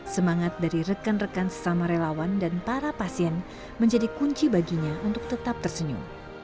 semangat dari rekan rekan sesama relawan dan para pasien menjadi kunci baginya untuk tetap tersenyum